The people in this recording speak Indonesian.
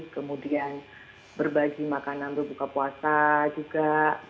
kemudian berbagi makanan untuk buka puasa juga